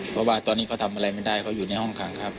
เพราะว่าตอนนี้เขาทำอะไรไม่ได้เขาอยู่ในห้องขังครับ